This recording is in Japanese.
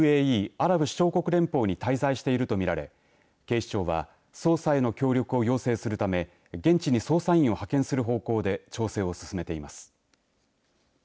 アラブ首長国連邦に滞在していると見られ警視庁は捜査への協力を要請するため現地に捜査員を派遣する方向で調整を進めています。